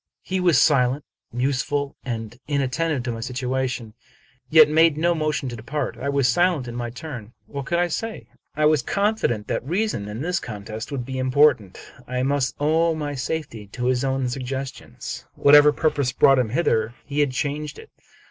He was silent, museful, and inattentive to my situation, yet made no motion to depart. I was silent in my turn. What could I say ? I was confident that reason in this con test would be impotent. I must owe my safety to his own suggestions. Whatever purpose brought him hither, he had changed it.